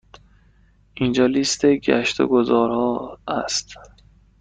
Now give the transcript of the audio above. اینجا لیست گشت و گذار ها است.